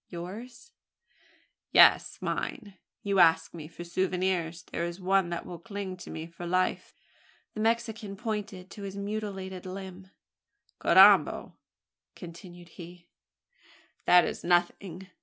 "Yours?" "Yes mine. You ask me for souvenirs. There is one that will cling to me for life!" The Mexican pointed to his mutilated limb. "Carrambo!" continued he, "that is nothing.